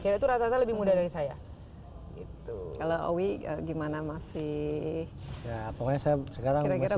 cewek itu rata rata lebih muda dari saya gitu kalau owi gimana masih ya pokoknya saya sekarang kira kira